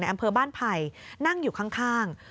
อำเภอบ้านไผ่นั่งอยู่ข้าง